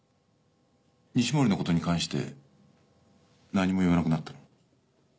西森のことに関して何も言わなくなったの？